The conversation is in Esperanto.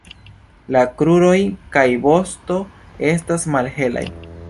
La kruroj kaj vosto estas malhelaj.